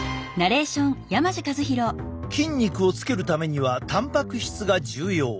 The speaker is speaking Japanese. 筋肉をつけるためにはたんぱく質が重要。